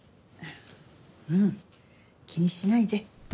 ううん気にしないで。